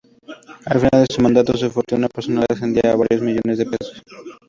Al final de su mandato, su fortuna personal ascendía a varios millones de pesos.